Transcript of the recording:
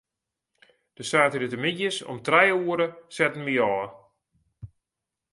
De saterdeitemiddeis om trije oere setten wy ôf.